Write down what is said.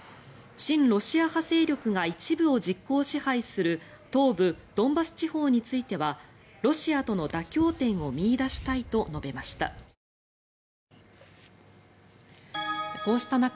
親ロシア派勢力が一部を実効支配する東部ドンバス地方についてはロシアとの妥協点を見いだしたいと述べました。